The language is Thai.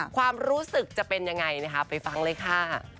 ความรู้สึกจะเป็นยังไงนะคะไปฟังเลยค่ะ